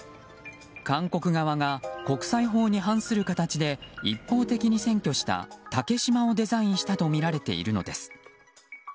韓国側が国際法に反する形で一方的に占拠した竹島をデザインしたとみられているのです。